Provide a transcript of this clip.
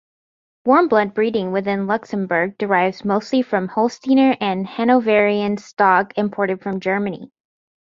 Warmblood breeding within Luxembourg derives mostly from Holsteiner and Hanoverian stock imported from Germany.